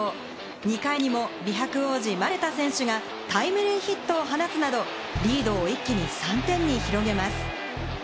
２回にも美白王子・丸田選手がタイムリーヒットを放つなど、リードを一気に３点に広げます。